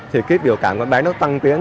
thì cái biểu cảm của em bé nó tăng tiến